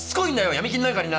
闇金なんかにな。